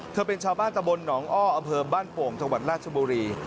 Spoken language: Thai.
เธอเป็นชาวบ้านตะบนหนองอ้ออำเภอบ้านโป่งจังหวัดราชบุรี